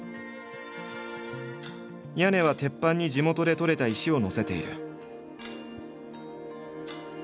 屋根は鉄板に地元で採れた石を載せている。